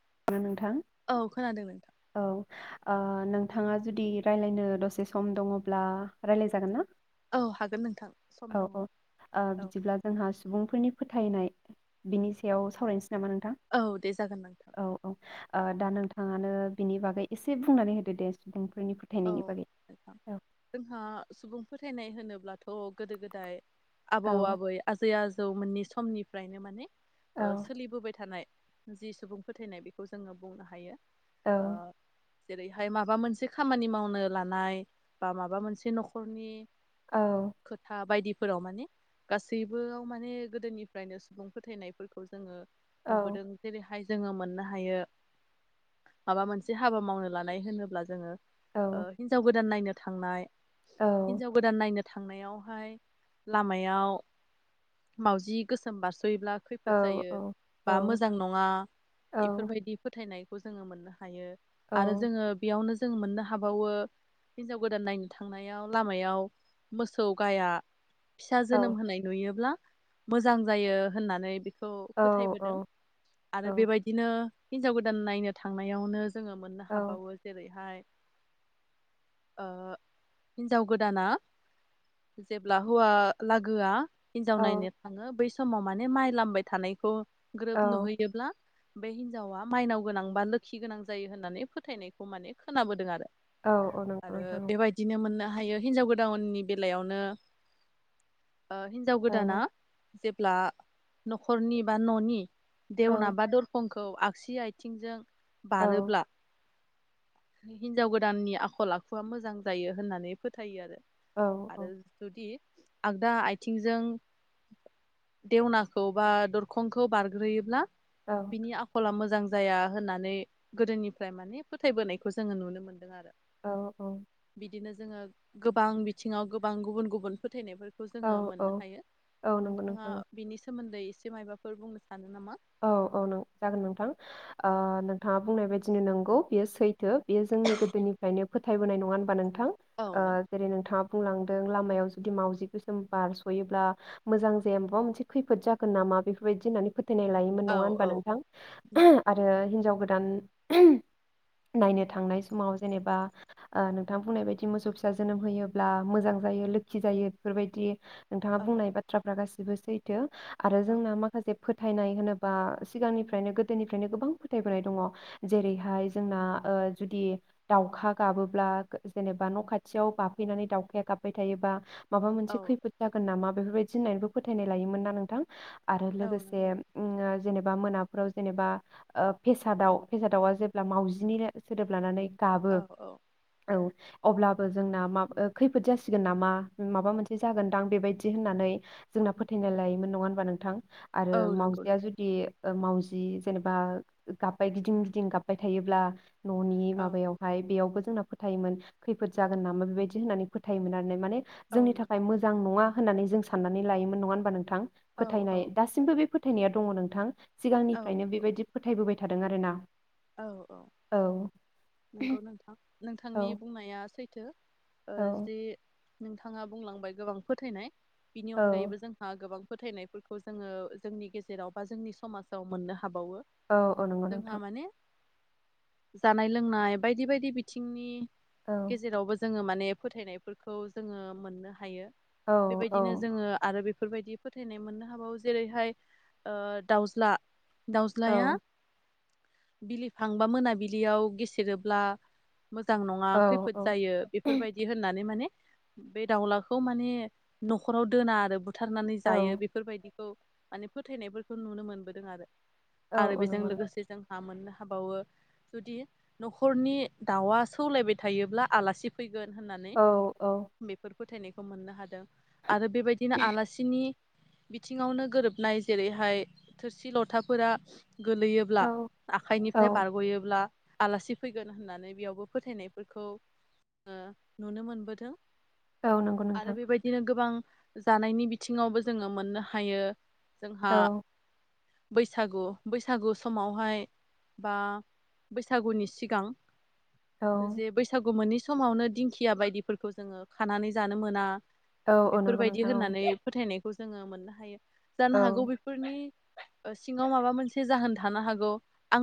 [unintelligible] औ खोनादों नोंथां। औ ओ नोंथाङा जुदि रायलायनो दसे सम दङब्ला रायलाय जागोन ना? औ हागोन नोंथां सम औ दङ औ ओ औ बिदिब्ला जोंहा सुबुंफोरनि फो फोथायनाय बिनि सायाव सावरायनोसै। नामा नोंथां औ दे जागोन नोंथां। औ औ ओ दा नोंथाङानो बिनि बागै एसे बुंनानै होदो दे सुबुं औ नोंथां जोंहा सुबुं फोथायनाय होनो ब्लाथ' गोदो गोदाय आबौ औ आबै आजै आ जौमोननि समनिफ्रायनो माने औ ओ सोलिबोबाय थानाय जि सुबुं फोथायनाय बेखौ जोङो बुंनो हायो। औ। ओ जेरैहाय माबा मोनसे खामानि मावनो लानाय बा माबा मोनसे न'खरनि औ खोथा बायदि फोराव माने गासैबोयाव माने गोदोनिफ्रायनो सुबुं फोथायनायफोरखौ जोङो औ नुबोदों जेरैहाय जोङो मोननो हायो माबा मोनसे हाबा मावनो लानाय होनोब्ला जोङो औ ओ हिन्जाव गोदान नायनो थांनाय औ हिनजाव गोदान नायनो थांनायावहाय लामायाव मावजि गोसोम बारस योब्ला औ खैफोद जायो बा औ मोजां नङा औ इफोरबायदि फोथायनाय खौ जोङो मोननो हायो। आरो औ जोङो बेयावनो जों मोननो हाबावो हिनजाव गोदान नायनो थांनायाव लामायाव मोसौ गाया फिसा औ जोनोम होनाय नुयोब्ला मोजां जायो होननानै बि खौ औ फोथायबोदों आरो बेबायदिनो हिनजाव गोदान नायनो थांनायावनो जोङो मोननो औ हाबावो जेरै ओमफ्राय ओ हिन्जाव गोदाना जेब्ला हौवा लागोआ हिनजाव औ नायनो थाङो बै स समाव माने माइ लामबाय थानायखौ ग्रोब औ नुहैदोब्ला बे हिनजावा माइनाव गोनां बा लोखि गोनां जायो होननानै फोथायनायखौ माने खोनाबोदों आरो औ नंगौ आरो नोंथां बेबायदिनो मोननो हायो हिनजाव गोदाननि बेलायावनो ओ हिनजाव गोदाना औ जेब्ला न'खरनि बा न'नि औ देउना बा दरखं खौ आगसि आथिंजों औ बारोब्ला हिनजाव गोदाननि आखल आखुआ मोजां जायो होननानै फोथायो आरो। औ औ आरो जुदि आगदा आथिंजों देवनाखौ बा दरखंखौ बारग्रोयोब्ला औ बिनि आखला मोजां मोजां जाया होननानै गोदोनिफ्राय मानि फोथायबोनायखौ जोङो नुनो मोनदों आरो। औ औ। बिदिनो जोङो गोबां बिथिङाव गोबां गुबुन गुबुन फोथायनायफोर खौ जोङो औ मोननो औ हायो औ नंगौ नोंथाङा नोंथां बिनि सोमोन्दै एसे मायबाफोर बुंनो सानो नामा औ औ नों जागोन नोंथां। औ ओनोंथाङा बुंनाय बायदिनो नंगौ। बेयो सैथो बेयो जोंनि गोदोनिफ्रायनो फोथायबाय नङा होनबा नों थां। औ ओ नों जेरै नोंथाङा बुंलांदों लामायाव जुदि मावजि गोसोम बारस'योब्ला मोजां जाया माबा मोनसे खैफोद जागोन नामा बेफोरबायदि होननानै फो थानाय लायोमोन नङा औ होनबा औ नोंथां। नंगौ आरो हिनजाव गो दान नायनो थांनाय समाव जेनेबा नोंथां बुंनाय बायदि मोसौ फिसा जोनोम होयोब्ला मोजां जायो लोखि जायो बेफोरबायदि नोंथाङा औ बुंनाय बाथ्राफ्रा गासि बो सैथो। आरो औ जोंना माखासे फोथायनाय होनोबा सिगांनिफ्रायनो गोदोनिफ्रायनो गोबां फोथायबोनाय दङ जेरैहाय जोंना ओ जुदि दाउखा गाबोब्ला जेनेबा न' खाथियाव बाफैनानै दाउखाया गाबबाय थायोबा माबा औ मोनसे खैफोद जागोन नामा बेफोरबायादि होननानैबो फोथायनाय लायोमोन ना नोंथां आरो औ लोगोस नंगौ से उम ओ जेनेबा मोनाफोराव जेनेबा ओ फेसा दाव फेसादावा जेब्ला मावजिनिनो सोदोब लानानै औ गाबो औ औ अब्लाबो जोंना माब खैफोद जासिगोन नामा माबा मोनसे जागोनदां बेबायदि होननानै जोंना फोथायनाय लायोमोन नङा होनबा नोंथां आरो औ नंगौ मावाउजिया जुदि मावजि जेनेबा गाब्बाय गिदिं गिदिं गाब्बाय थायोब्ला न'नि औ माबायावहाय बेयावबो जोंना फोथायोमोन खैफोद जागोन नामा बेबायदि होननानै फोथायोमोन आरोना माने औ जोंनि थाखाय नोंथां मोजां नङा होननानै जों साननानै लायोमोन नङा होनबा नों थां औ फोथायनाय औ बे फोथायनाया दङ नोंथां औ सिगांनिफ्रायनो बेबायदि फोथायबोबाय थादों आरो ना औ औ नोंगौ नोंथां नोंथांनि औ बुंनाया सैथ थो ओ औ जि नोंथाङा बुंलांबाय गोबां फोथायनाय बिनि औ अनगायैबो जोंहा गोबां फोथायनायफोरखौ जोङो जोंनि गेजेराव बा जोंनि समाजाव मोननो हा हाबावो औ औ नंगौ जोंहा नोंथां माने जानाय लोंनाय बायदि बायदि बिथिंनि औ गेजेरावबो जोङो मान बे फोथायनायफोरखौ जोङो मोननो हायो। औ औ बेबायदिनो जोङो आरो बे बेफोरबायदि फोथायनाय मोननो हाबावो जेरैहाय ओ दाउज्ला औ दाउज्लाया बिलिफां बा मोनाबिलियाव गेसेरोब्ला मोजां नङा औ खैफोद औ जायो बेफोरबायदि होननानै माने बे दाउलाखौ माने न'खराव दोना आरो बु बुथारनानै जायो औ बेफोरबायदि खौ माने फोथायनायफोरखौ नुनो मोनबोदों आरो औ आरो औ बेजों नंगौ नोंथां लोगोसे जों [unintelligible] हाबावो जुदि न'खरनि दाउआ सौलायबाय थायोब्ला आलासि फै गोन होननानै औ बेफोर फोथायनायखौ मोननो हादों। आरो बेबायदिनो आलासिनि बिथिङावनो गोरोबनाय जेरैहाय थोरसि लथाफोरा औ गोलैयोब्ला आखाइनि थाय औ बारग'योब्ला। आलासि फैगोन होननानै बेयावबो फोथायनायफोरखौ ओ नुनो मोनबोदो। औ नंगौ आरो नोंथां बेबायदिनो गोबां जानायनि बिथिङावबो जोङो मोननो हायो। जोंहा औ बैसागु बैसागु समावहाय बा बैसागुनि सिगां। औ जे बैसागु मोनि समावनो दिंखिया बायदिफोरखौ जोङो खानानै जानो मोना। औ औ नंगौ बेफोरबायदि नोंथां होननानै फोथायनाय खौ जोङो मोननो हायो। जानो हागौ औ बेफोरनि सिङाव माबा मोनसे जाहोन थानो हागौ।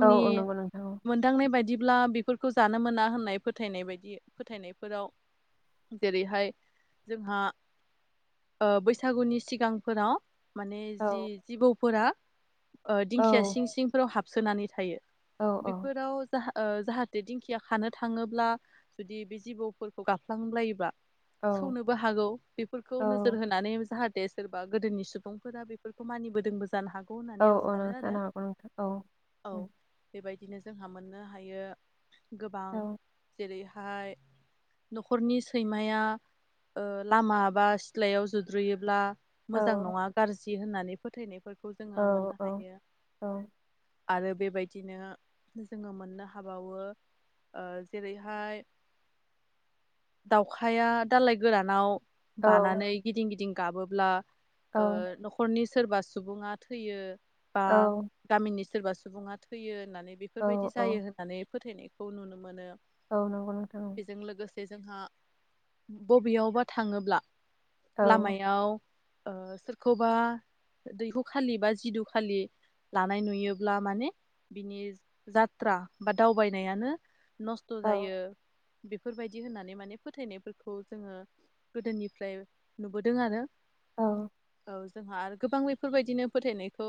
औ औ नंगौ नोंथां मोनदांनाय बायदि ब्ला बेफोरखौ जानो मोना होननाय फोथायनाय बायदि फोथायनायफोराव जेरैहाय जोंहा ओ बैसागुनि सिगांफोराव माने औ जि-जिबौफोरा ओह औ दिंखिया सिं सिंफोराव हाब सोनानै थायो। औ औ बिफोराव जाहा ओह जाहाथे दिंखिया खानो थाङोब्ला जुदि बे जिबौफोरखौ गाफ्लांब्लायोबा। औ सौनोबो हागौ बेफोरखौ नोजोर औ होनानै जाहा दे सोरबा गोदोनि सुबुंफोरा बेफोरखौ मानिबोदोंबो जा ओउ ओउ नोंथां [unintelligible] नो हागौ नोंथां ओउ। ओउ बे बायदिनो जोंहा मोननो हायो गोबां औ जेरैहा फाय नखरनि सैमाया ओह लामा बा सिलायाव जुद्रुयोब्ला। मोजां नङा औ औ गारजि दि होननानै फोथायनायफोर खौ औ जोङो मोननो औ औ हायो। आरो बेबायदिनो जोङो मोननो हाबावो ओह जेरैहाय दाउखाया दालाइ गोरानाव बानानै गिदिं गिदिं गाबोब्ला ओ नखरनि सोरबा सुबुङा थैयो बा गामिनि सोरबा सुबुङा थैयो होननानै औ बेफोर बायदि जायो होननानै फोथायनायखौ नुनो मोनो। औ नंगौ नोंथां औ बेजों लोगोसे जोंहा बबेयावबा थाङोब्ला औ लामायाव ओ सोरखौबा दैहुखालि बा जिदु खालि लानाय नुयो ब्ला माने बिनि जात्रा बा दावबायनायानो नस्थ औ जायो। बेफोर बायदि होननानै माने फोथायनायफोरखौ जोङो गोदोनिफ्राय नुबोदों आरो औ औ जोंहा आरो गोबां बेफोर बायदिनो फोथायनायखौ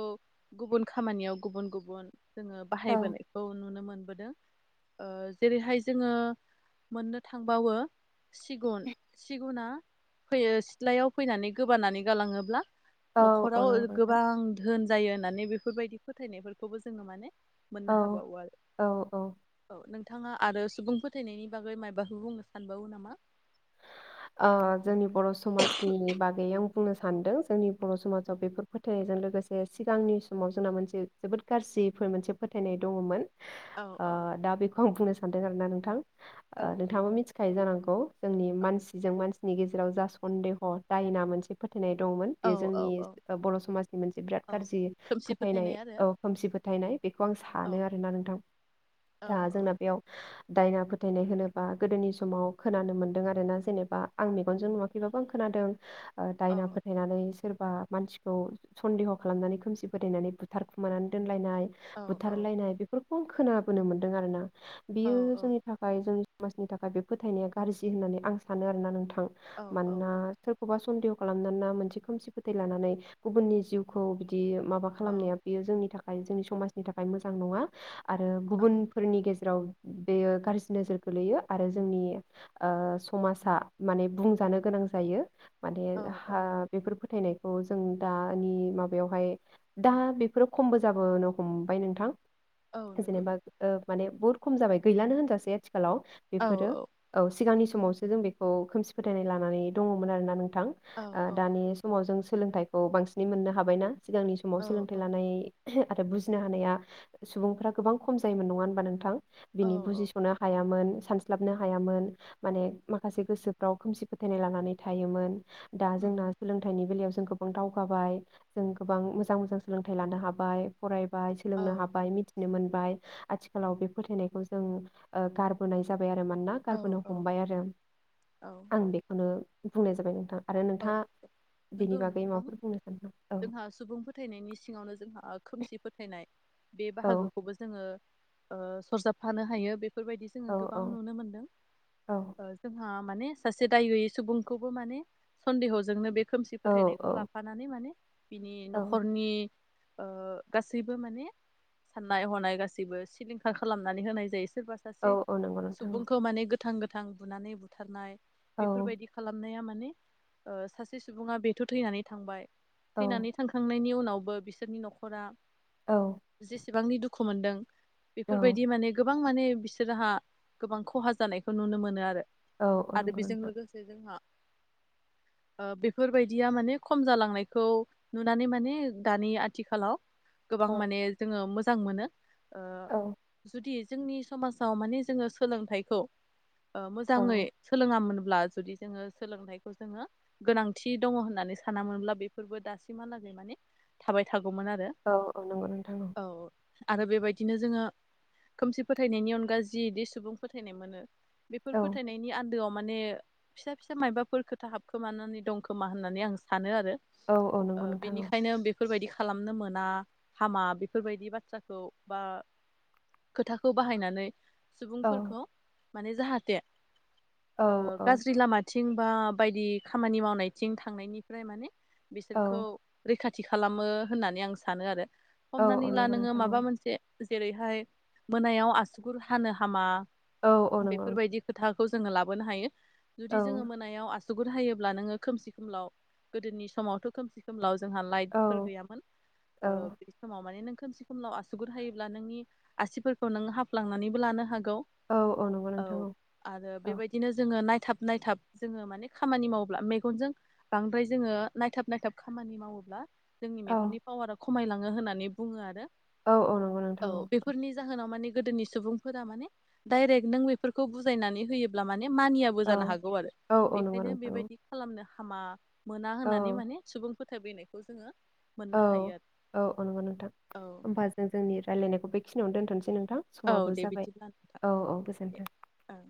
गुबुन खामानियाव गुबुन गुबुन जोङो बाहायबोनायखौ नुनो मो मोनबोदों जेरैहाय जोङो मोननो थांबावो सिगुन सिगुना फैयो सिथ्लायाव फैनानै गोबानानै गालाङोब्ला औ औ नखराव नंगौ नोंथां गोबां धोन जायो होननानै बेफोर बायदि फोथायनायफोरखौबो जोङो माने मोननो औ हाबावो आरो औ औ औ नों थाङा आरो सुबुं फोथायनायनि बागै मायबाफोर बुंनो सानबावो नामा? ओ जोंनि बर' समाजनि बागै आं बुंनो सानदों जोंनि बर' समाजाव बेफोर फोथायनायजों लो गोसे सिगांनि समाव जोंना मोनसे जोबोद गाज्रिफोर मोनसे फोथायनाय दङ'मोन। औ ओ औ दा बेखौ आं बुंनो सा सानदों आरो ना नोंथां। औ ओ नोंथाङाबो मिथि खायो जानांगौ। जोंनि मानसि मानसिनि गेजेराव जा सन्देह दायना मोनसे फो थायनाय दंमोन औ बे औ जोंनि औ बर' समाजनि मोनसे बिराद औ गारजि खोमसि फोथायनाय आरो ओ खोमसि फोथायनाय बेखौ आं औ सानो आरो ना नोंथां औ दा औ जोंना बेयाव दायना फोथायनाय होनोबा गोदोनि समाव खोनानो मोन्दों आरोना जेने बा आं मेगनजों नुवाखैबाबो आं खोनादों। ओ औ दायना फोथायनानै सोर बा मानसिखौ सन्देह' खालामनानै खोमसि फोथायनानै बुथारखुमानानै दोनलायनाय। औ औ बुथारलायनाय बेफोर गोबां खोनाबोनो मोन्दों आरो ना। औ बेयो औ जोंनि थाखाय जों समाजनि थाखाय बे फोथायनाया गाज्रि होननानै आं स सानो आरोना नोंथां औ औ मानोना सोरखौबा सन्देह' खालामनानै मोनसे खोमसि फोथाय लानानै गुबुननि जिउखौ बिदि माबा खालामनाया बेयो जोंनि था खाय जोंनि समाजनि थाखाय मोजां नङा। आरो गुबुनफोरनि गेजे जेराव बेयो गाज्रि नोजोर गोलैयो आरो जोंनि ओ स समाजा माने बुंजानो गोनां जायो। माने औ औ हा बेफोर फो थायनायखौ जों दानि माबायावहाय दा बेफोरो खमबो जाबोनो हमबाय नोंथां। औ नंगौ जेनेबा नंगौ ओ माने बहुत खम जाबाय गैलानो होनजासै आथि खालाव औ बेफोरो औ सिगांनि स समावसो जों बेखौ खोमसि फोथायनाय लानानै दङमोन आरोना नों थां औ ओ औ दानि नंगौ समाव जों सोलोंथाइ औ बांसिनै मोननो हाबाय ना। सिगांनि समाव औ सोलोंथाइ औ लानाय आरो बुजिनो हानाया सुबुंफ्रा गोबां खम जायोमोन नङा होनबा नोंथां। औ बिनि बुजिसनो हायामोन। सानस्लाबनो हायामोन माने माखासे गोसोफ्राव खोमसि फोथायनाय लानानै थायोमोन। दा औ जोंना सोलोंथाइनि बेलायाव जों गोबां दावगाबाय जों गोबां मोजां मोजां सोलोंथाइ लानो हाबाय फराय बाय औ सोलोंनो हाबाय मिथिनो मोनबाय। आथिखालाव बे फोथायनायखौ जों ओ गारबोनाय जा बाय आरो मोनना गारबोनो औ औ हमबाय आरो। औ आं बेखौनो ओ बुंनाय जाबाय नोंथाङा। आरो औ बेनि नंगौ बागै नोंथां माबाफोर बुंनो सानदों औ जोंहा सुबुं फोथायनायनि सिङावनो जोंहा खोमसि फोथायनाय बे औ बाहागोखौबो जोङो ओ सरजाबफानो हायो बे फोरबायदि जोङो औ गोबां नुनो मोनदों औ जोंहा माने सासे दाय गैयै सुबुंखौबो माने सन्देहजोंनो बे खोमसि औ फोथायनायखौ लाफानानै माने बिनि औ नखरनि ओ गासैबो माने साननाय हनाय गासैबो सिलिंखार खालामनानै होनाय जायो सोरबा औ सासे औ नंगौ नोंथां सुबुंखौ माने गोथ गोथां गोथां बुनानै बुथारनाय औ बेफोरबायदि खालामनाया मान ने ओ सासे सुबुङा बेथ थैनानै थांबाय औ थैनानै थांखांनायनि उना नावबो बिसोरनि नखरा औ। बिसेबांनि दुखु मोनदों बेफोरबायदि माने गोब गोबां माने बिसोरहा गोबां खहा जानायखौ नुनो मोनो आरो औ औ आरो नंगौ बेजों नोंथां लोगोसे जोंहा ओ बेफोरबायदिया माने खम जालांनायखौ नुनानै माने दानि आथिखालाव गोबां औ माने जोङो मो मोजां मोनो। ओ औ जुदि जोंनि समाजाव माने जोङो सोलोंथाइखौ ओ औ मोजाङै सोलोङामोन ब्ला जुदि जोङो सोलोंथाइ जोङो गोनांथि दङ होननानै सानोनब्ला बेफोरबो दासिमहालागै माने थाबाय थागोन औ औ नंगौ नोंथां औ आरो बेबायदिनो जोङो खोमसि फोथायनायनि अनगा जिदि सुबुं फोथायनाय मोनो बेफोर औ फोथायनायनि आ गोआव माने फिसा फिसा मायबाफोरखौ खोथा हाबखोमानानै दंखोमा होननानै आं सानो आरो औ औ नंगौ ओ नोंथां औ बेनिखायनो बेफोरबायदि खालामनो मोना हामा बेफोरबायदि बाथ्राखौ बा खोथाखौ बाहायनानै औ सुबुंफोरखौ माने जाहाथे औ औ थिंबा बायदि खामानि मावनायथिं थांनायनिफ्राय माने बिसोरखौ औ रैखा थि खालामो होननानै आं सानो आरो औ औ हमनानै ला नंगौ नोङो नोंथां औ माबा मोनसे जेरैहाय मोनायाव आसुगुर हानो हामा औ औ नंगौ नोंथां बेफोरबायदि खोथा खौ जोङो लाबोनो हायो औ जुदि जोङो मोनायाव आस - गुर हायोब्ला नोङो खोमसि खोमलाव गोदोनि समावथ' खोमसि खोमलाव जोंहा औ लाइटफोर गैयामोन औ ओ बि समाव माने नों खोमसि खोमनाव आसुगुर हायोब्ला नोंनि आसिफोरखौ नों हाफ्लांनानैबो लानो हाग गौ औ औ नंगौ नोंथां औ आरो बेबायदिनो जोङो नाय थाब नायथाब जोङो माने खामानि मावोब्ला मेगनजों बांद्राय जोङो नायथाब नायथाब खामानि मावोब्ला जोंनि औ मेगननि पावारा खम खमायलाङो होननानै बुङो आरो औ औ नंगौ नोंथां औ। बेफोरनि जाहोनाव माने गोदोनि सुबुंफोरा माने डाइरेक्ट नों बेफोरखौ बुजायनानै होयोब्ला माने मानियाबो जानो औ हागौ आरो औ बे औ नंगौ ओंखायनो नोंथां औ बेबायदि खालामनो हामा मोना औ होननानै मानि सुबुंफोर थाबैनायखौ जोङो औ मोननो हायो आरो औ औ नंगौ नोंथां औ होमबा जों जोंनि रायलायनायखौ बेखिनियावनो दोन्थ'नोसै थां औ समाबो दे जाबाय बिदिब्ला नोंथां औ औ दे गोजोनथों। ओं